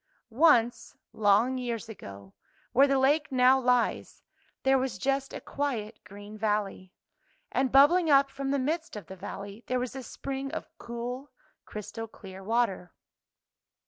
Once, long years ago, where the lake now lies, there was just a quiet green valley; and [ 133 ] FAVORITE FAIRY TALES RETOLD bubbling up from the midst of the valle}* there was a spring of cool, crystal clear water.